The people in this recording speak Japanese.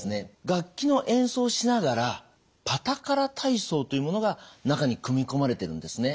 楽器の演奏しながら「パタカラ体操」というものが中に組み込まれてるんですね。